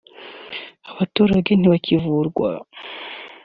abaturage ntibakivurwa